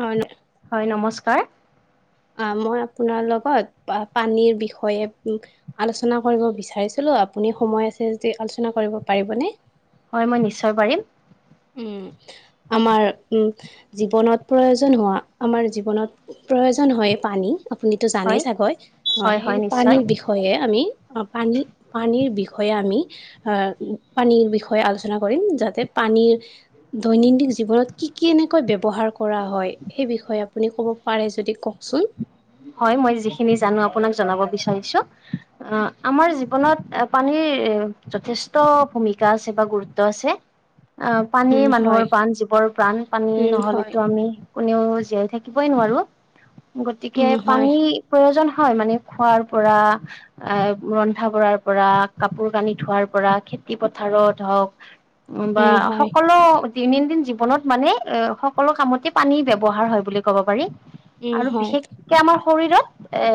হয়, হয় নমস্কাৰ। মই আপোনাৰ লগত পানী বিষয়ে আলোচনা কৰিব বিচাৰিছিলো আপোনাৰ। সময় আছে যদি আলোচনা কৰিব পাৰিবনে হয় মই নিশ্চয় পাৰিম। উম। আমাৰ জীৱনত প্ৰয়োজন হোৱা আমাৰ জীৱনত প্ৰয়োজন হয় পানী। আপুনিতো হয় জানেই চাগৈ অ হয় হয় সেই নিশ্চয় পানীৰ বিষয়ে আমি পানী পানীৰ বিষয়ে আমি পানীৰ বিষয়ে আলোচনা কৰিম যাতে পানীৰ উম। দৈনন্দিন জীৱনত কি কি কেনেকৈ ব্যৱহাৰ কৰা হয় সেই বিষয়ে আপুনি ক'ব পাৰে যদি কওকচোন। উম। হয় মই যিখিনি জানো আপোনাক জনাব বিচাৰিছো অ আমাৰ জীৱনত পানীৰ যথেষ্ট ভূমিকা আছে বা গুৰুত্ব আছে। অ পানী উম হয় মানুহৰ প্ৰাণ জীৱৰ প্ৰাণ পানী উম হয়। নহলেতো আমি। কোনেও জীয়াই থাকিবই নোৱাৰো গতিকে উম, হয়, পানীৰ প্ৰয়োজন হয় মানে খোৱাৰ পৰা এ ৰন্ধা বঢ়াৰ পৰা কাপোৰ কানি ধোৱাৰ পৰা খেতি পথাৰত হওক বা উম, হয়, সকলো দৈনন্দিন জীৱনত মানে এ সকলো কামতে পানী ব্যৱহাৰ হয় বুলি ক'ব পাৰি। উম আৰু হয়। বিশেষকে আমাৰ শৰীৰত এ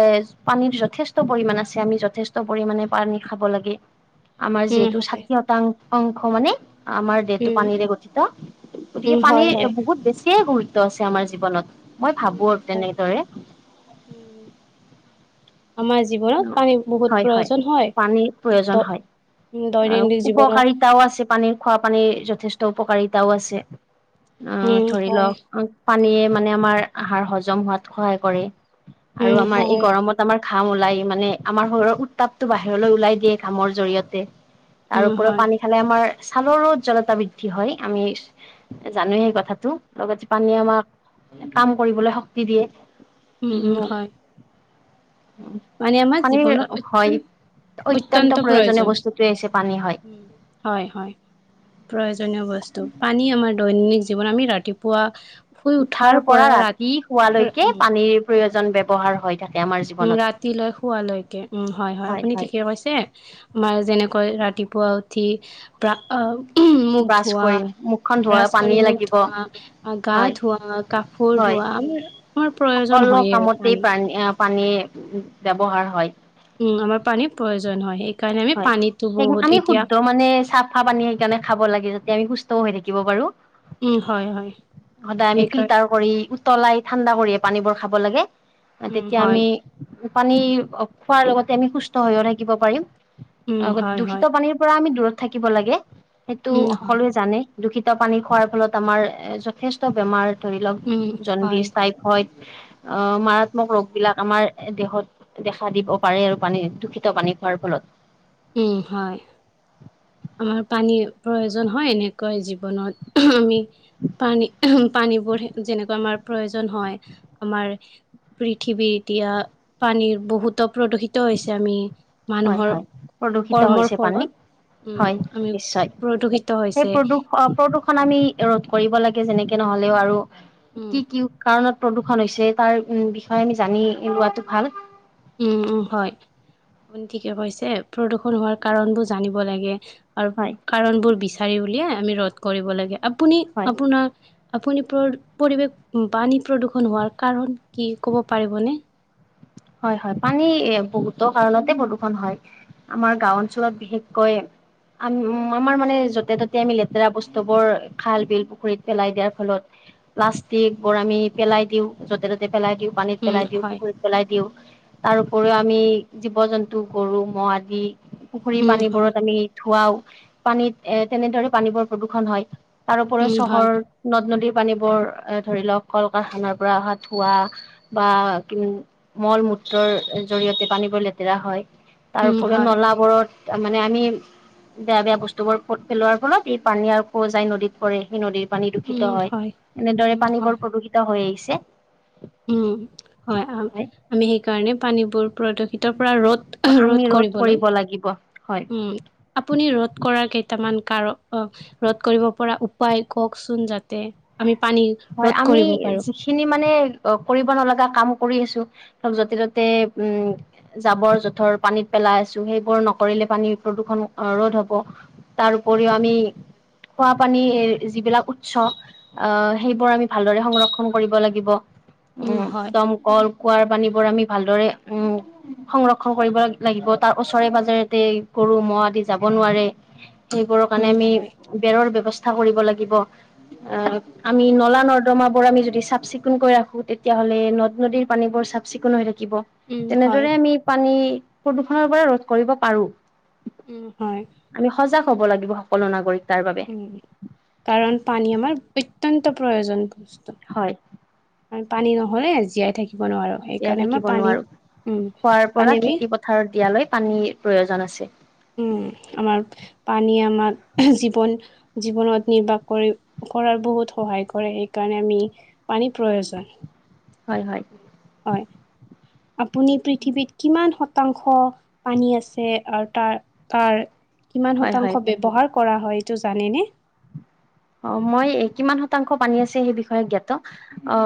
পানীৰ যথেষ্ট পৰিমণ আছে আমি যথেষ্ট পৰিমমানে পানী খাব লাগে। আমাৰ উম, যিহেতু হয়, ষাঠি শতাং অংশ মানে। আমাৰ দেহটো উম, পানীৰে গঠিত গতিকে উম, হয়, পানীৰ হয়, বহুত বেছিয়ে গুৰুত্ব আছে আমাৰ জীৱনত। মই উম, ভাবো আৰু হয়, তেনেদৰে। উম। আমাৰ জীৱনত পানীৰ বহুত হয়, হয় প্ৰয়োজন পানীৰ উম, দ প্ৰয়োজন হয়। উম, দৈনন্দিন জীৱনত উপকাৰিতাও আছে পানীৰ খোৱা পানীৰ যথেষ্ট উপকাৰিতাও আছে। অ উম, ধৰি হয়, লওক পানীয়ে মানে আমাৰ আহাৰ হজম হোৱাত সহায় কৰে। আৰু উম, আমাৰ এই হয়, গৰমত। কাম ওলাই মানে আমাৰ শৰীৰৰ উত্তাপটো বাহিৰলৈ ওলাই দিয়ে কামৰ জৰিয়তে। উম, তাৰপৰিও হয়। পানী খালে আমাৰ। ছালৰোজ্লতা বৃদ্ধি হয় আমি জানো সেই কথাটো। লগে য পানীয়ে উম, আমাক কাম কৰিবলৈ শক্তি দিয়ে। উম উম হয়। মানে আমাৰ পানী জীৱনৰ হয় অত্যন্ত অত্যন্ত অত্যয়ন্ত প্ৰয়োজনীয় প্ৰয়োজন। বস্তুটোৱে হৈছে পানী হয়। হয় হয় প্ৰয়োজনীয় বস্তু পানী আমাৰ দৈনিক জীৱনত আমি ৰাতিপুৱা উঠাৰ পৰা ৰাতি শুৱালৈকে উম, পানীৰ প্ৰয়োজন ব্যৱহাৰ হয় থাকে। আমাৰ উম জীৱনত। ৰাতিলৈ শুৱালৈকে উম হয় হয় আপুনি ঠিকে কৈছে আমাৰ যেনে। কৈ ৰাতিপুৱা উঠি আহ মোক ব্ৰাছ ধোৱা কৰি মুখখন ধোৱা ব্ৰাছ কৰি পানীয়ে মুখ লাগিব। ধোৱা, গা হয় ধোৱা, কাপোৰ হয় ধোৱা প্ৰয়োজন সকলো হয়েই আৰু কামতেই পানী পানী ব্যৱহাৰ হয়। উম আমাৰ পানীৰ প্ৰয়োজন হয় সেই হয় সেই আমি শুদ্ধ মানে চাফা পানী সেইকাৰণে খাব লাগে যাতে আমি সু স্থ হৈ থাকিব পাৰো। উম হয় হয়। সদায় আমি সেইকাৰ ফিল্টাৰ কৰি উতলাই ঠাণ্ডা কৰিয়ে পানীবোৰ খাব লাগে। উম, তেতিয়া হয়, আমি পানী খোৱাৰ লগতে আমি সুস্থ হৈয়ও থাকিব পাৰিম। উম, গ হয়, দূষিত হয়, পানীৰ পৰা আমি দূৰত থাকিব লাগে সেইটো উম, হয়, সকলোৱে জানে। দূষিত পানী খোৱাৰ ফলত আমাৰ এ যথেষ্ট বেমাৰ ধৰি উম, লওঁক হয়, জণ্ডিছ টাইপইড হয়। [unintelligible] অ মাৰাত্মক ৰোগ বিলাক আমাৰ দেহত দেখা দিব পাৰে আৰু পানী দূষিত পানী খোৱাৰ ফলত। উম হয়। আমাৰ পানীৰ প্ৰয়োজন হয় এনেকুৱা জীৱনত আমি পানী। পানীবোৰ যেনেকা আমাৰ প্ৰয়োজন হয় আমাৰ পৃথিৱী এতিয়া পানীৰ বহুতো প্ৰদূষিত হৈছে আমি হয় মানুহৰ হয় প্ৰদূষিত কৰ্মৰ হৈছে পানী ফলত উম হয় আমি নিশ্চয় প্ৰদূষিত সেই হৈছে প্ৰদূষ প্ৰদূষণ আমি ৰোধ কৰিব লাগে যেনেকে নহলেও আৰু উম কি কি কাৰণত প্ৰদূষণ হৈছে তাৰ উম বিষয়ে আমি জানি লোৱাটো ভাল। উম উম হয় আপুনি ঠিকে কৈছে প্ৰদূষণ হোৱাৰ কাৰণতো জানিব লাগে। আৰু হয় কাৰণবোৰ বিচাৰি উলিয়ে আমি ৰোধ কৰিব লাগে আপুনি হয় আপোনাৰ। আপুনি পৰিৱেশ পানী প্ৰদূৰ্ষণ হোৱাৰ কাৰণ কি ক'ব পাৰিবনে? হয় হয় পানী বহুতো কাৰণতে প্ৰদূষণ হয় আমাৰ গাও অঞ্চলত বিশেষকৈ আমি আমাৰ মানে য'তে ত'তে আমি লেতেৰা বস্তু বোৰ খাল, বিল, পুখুৰীত পেলাই দিয়াৰ ফলত। প্লাষ্টিক বোৰ আমি পেলাই দিওঁও য'তে ত'তে পেলাই দিওঁ পানীত উম পেলাই দিওঁ হয় পুখুৰীত পেলাই দিওঁ তাৰ উপৰিও আমি জীৱ জন্তু গৰু ম'হ আদি পুখুৰী উম হয় পানীবোৰত আমি ধুৱাও পানীত এ তেনেদৰে পানীবোৰ প্ৰদূ্ষণ হয়। তাৰওপৰি উম চহৰ হয় নদ-নদী পানীবোৰ এ ধৰি লওক কল কাৰখানাৰ পৰা অহা ধোৱা বা কি মল মূত্ৰৰ জৰিয়তে পানীবোৰ লেতেৰা হয় তাৰ উম উপৰিও হয় নলাবোৰত তাৰ মানে আমি বেয়া বেয়া বস্তু বোৰ পেলোৱাৰ ফলত ই পানী আৰু যাই নদীত পৰে সেই নদীৰ পানী দূষিত হয় এনেদৰে উম পানী হয় বৰ প্ৰদূষিত হৈ আহিছে উম হয় আমি সেইকাৰণে পানীবোৰ প্ৰদূষিত ৰোধ ৰোধ আমি কৰিবলৈ কৰিব লাগিব হয়। উম আপুনি ৰোধ কৰা কেইটামান কাৰণ ৰোধ কৰিব পৰা উপায় কওকচোন যাতে আমি পানী হয় ৰ'দ আমি কৰিব পাৰো। যিখিনি মানে অ কৰিব নলগা কাম কৰি আছো ধৰ য'তে ত'তে উম জাবৰ -জোথৰ পানীত পেলাই আছো সেইবোৰ নকৰিলে পানীৰ প্ৰদূষণ ৰ'দ হব তাৰ উপৰিও আমি খোৱা পানী যিবিলাক উৎস আহ সেইবোৰ আমি ভালদৰে সংৰক্ষণ কৰিব লাগিব। উম দমকল, কুঁৱাৰ পানীবোৰ আমি ভালদৰে সংৰক্ষন কৰিব লাগিব তাৰ ওচৰে পাজৰে গৰু, ম'হ আদি যাব নোৱাৰে সেইবোৰৰ কাৰণে উম, আমি হয়, বেৰৰ ব্যৱস্থা কৰিব লাগিব অ আমি উম, নলা- নৰ্দমা বোৰ আমি যদি চাফ চিকুণকৈ ৰাখো তেতিয়াাহ'লে নদ- নদীৰ পানী বোৰ চাফ চিকুণ হৈ থা কিব উম, হয়, তেনেদৰে আমি পানী প্ৰদূষণৰ পৰা ৰোধ কৰিব পাৰো উম, হয়, আমি সজাগ হব লাগিব সকলো নাগৰিক তাৰ বাবে উম কাৰণ পানী আমাৰ অত্যন্ত প্ৰয়োজন বস্তু হয় পানী নহলে জীয়াই থাকি জীয়াই থাকিব নোৱাৰো উম, খোৱাৰ পানী পৰা, আমি খেতি -পথাৰ দিয়ালৈ পানীৰ প্ৰয়োজন আছে উম আমাৰ পানীয়ে আমাক জীৱন জীৱনত নিৰ্বাস কৰি কৰাৰ বহুত সহায় কৰে সেইকাৰণে আমি পানীৰ প্ৰয়োজন হয় হয় হয় আপুনি পৃথিৱীত কিমান শতাংশ পানী আছে আৰু তাৰ তাৰ কিমান হয় হয় শতাংশ ব্যৱহাৰ কৰা হয় এইটো জানেনে? অ মই কিমান শতাংশ পানী আছে সেই বিষয়ে জ্ঞাত অ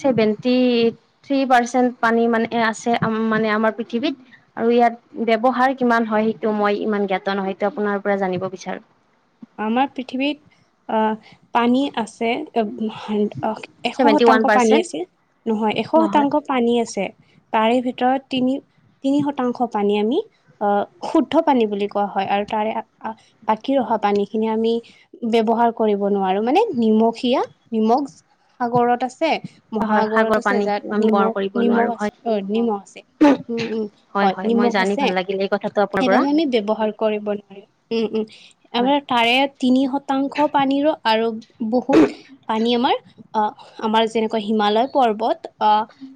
চেভেনটো, এইতটি পাৰচেন পিনী মানে মানে আমাৰ পৃথিৱীত আৰু ইয়াত ব্যৱহাৰ কিমান হয় সেইটো মই ইমান জ্ঞাত নহয় সেইটো আপোনাৰ পৰা জানিব বিচাৰো আমাৰ পৃথিৱীত অ পানী আছে অ এশ ছেভেন্টি ওৱান শতাংশ পানী পাৰ্চেন্ট আছিল নহয় এশ নহয় শতাংশ পানী আছে তাৰে ভিতৰত তিনি তিনি শতাংশ পানী আমি অহ শুদ্ধ পানী বুলি কোৱা হয় আৰু তাৰে বাকী অহা পানী যিখিনি আমি ব্যৱহাৰ কৰিব নোৱাৰো মানে নিমখীয়া নিমখ সাগৰত আছে আছে হয় সাগৰ মহাসাগৰত আছে পানী যাত আমি ব্যৱহাৰ নিমখ কৰিব নোৱাৰো নিমখ আছে হয় অ নিমখ আছে উম উম হয় মই নিমখ জানি আছে ভাল লাগিল এই কথাটো আপোনাৰ পৰা সেইবাবে আমি ব্যৱহাৰ কৰিব নোৱাৰিম উম উম হয় আমাৰ তাৰে তিনি শতাংশ পানীৰো আৰু বহুত পানী আমাৰ অ আমাৰ যেনেকুৱা হিমালয় পৰ্বত অ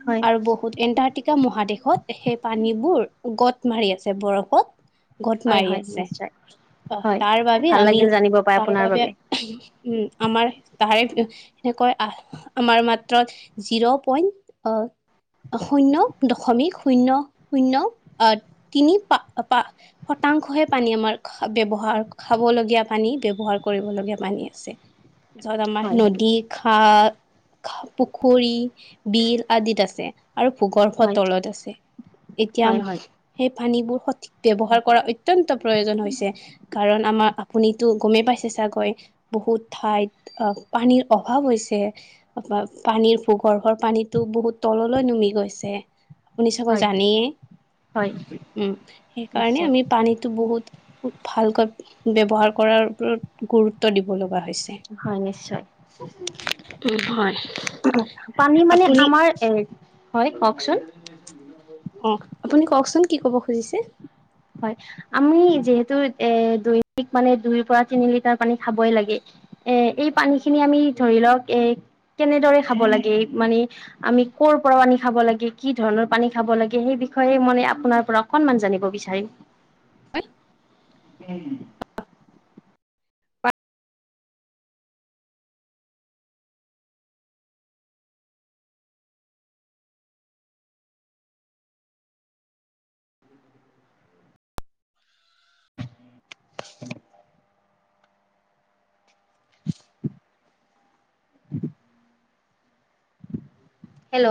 হয় আৰু বহুত এণ্টাৰ্টিকা মহাদেশ ত সেই পানীবোৰ গত মাৰি আছে বৰফত গত হয় মাৰি হয় আছে নিশ্চয় অ হয় তাৰ বাবে ভাল আমি লাগিল জানিব পাই তাৰ আপোনাৰ বাবে উম আমাৰ তাৰে সনেকৈ অহ আমাৰ মাত্ৰ জিৰ' পইন্ট আহ শূন্য দশমিক শূন্য শূন্য আহ তিনি পা পা শতা তাংশ হে পানী আমাৰ ব্যৱহাৰ খাবলগীয়া পানী ব্যৱহাৰ কৰিবলগীয়া পানী আছে জৰামাহ হয় নদী আহ পুখুৰী, বিল আদিত আছে আৰু ভূগৰ্ভৰ হয় তলত আছে এতিয়া হয় হয় সেই পানীবোৰ সঠিক ব্যৱহাৰ কৰা অত্য অত্যন্ত প্ৰয়োজন হৈছে কাৰণ আমাৰ আপুনিতো গমেই পাইছে চাগৈ বহুত ঠাইত অ পানীৰ অভাৱ হৈছে পানীৰ ভূগৰ্ভৰ পানীতো বহুত তললৈ নুমি গৈছে আপুনি চাগৈ হয় জানেয় হয় উম সেইকাৰণে নিশ্চয় আমি পানীতো বহুত ভালকৈ ব্যৱহাৰ কৰাৰ ওপৰত গুৰুত্ব দিব ল হয় নিশ্চয় উম হয় পানী মানে আপুনি আমাৰ এ হয় কওঁকচোন অ আপুনি কওঁকচোন কি কব খুজিছে হয় আমি যিহেতু এ দৈনিক মানে দুই পৰা তিনি লিটাৰ পানী খাবই লাগে এ এই পানী খিনি আমি ধৰি লওঁক এ কেনেদৰে খাব লাগে মানে আমি কৰ'ৰ পৰা আনি খাব লাগে কি ধৰণৰ পানী খাব লাগে সেই বিষয়ে মনে আপোনাৰ পৰা অকনমান জানিব বিচাৰিম পানী উম হেল্ল'